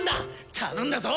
頼んだぞ！